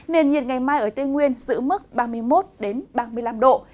nền nhiệt ngày mai ở tây nguyên giữ mức ba mươi một ba mươi năm độ